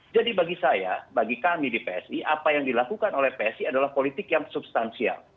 jadi bagi saya bagi kami di psi apa yang dilakukan oleh psi adalah politik yang substansial